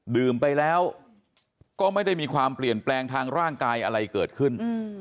ดื่มไปแล้วก็ไม่ได้มีความเปลี่ยนแปลงทางร่างกายอะไรเกิดขึ้น